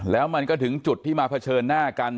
แล้วมันก็ถึงจุดที่มาเผชิญหน้ากัน